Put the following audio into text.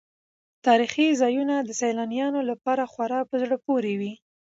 تاریخي ځایونه د سیلانیانو لپاره خورا په زړه پورې وي.